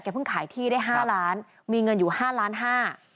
เพิ่งขายที่ได้ห้าล้านมีเงินอยู่ห้าล้านห้า